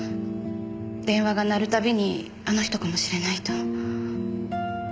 電話が鳴るたびにあの人かもしれないと。